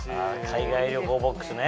海外旅行ボックスね。